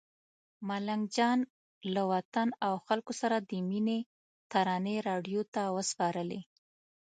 ملنګ جان له وطن او خلکو سره د مینې ترانې راډیو ته وسپارلې.